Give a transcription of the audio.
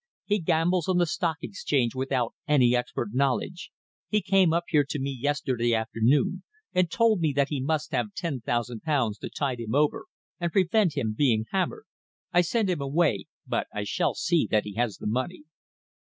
He gambles on the Stock Exchange without any expert knowledge. He came up here to me yesterday afternoon and told me that he must have ten thousand pounds to tide him over, and prevent him being hammered. I sent him away, but I shall see that he has the money."